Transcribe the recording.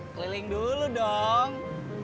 keliling dulu dong